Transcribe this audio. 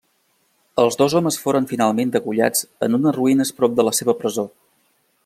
Els dos homes foren finalment degollats en unes ruïnes prop de la seva presó.